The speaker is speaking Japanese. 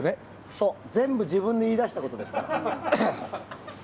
そう、全部自分で言い出したことですから。